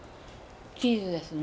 チーズですね。